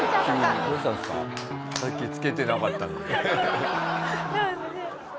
「さっき着けてなかったのに」